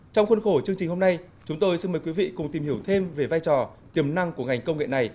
trong khuôn khổ chương trình hôm nay chúng tôi xin mời quý vị cùng tìm hiểu thêm về vai trò tiềm năng của ngành công nghệ này